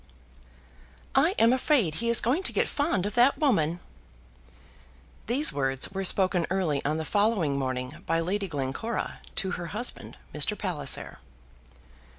"I am afraid he is going to get fond of that woman." These words were spoken early on the following morning by Lady Glencora to her husband, Mr. Palliser.